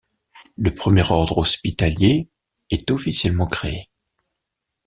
Le premier ordre hospitalier est officiellement créé.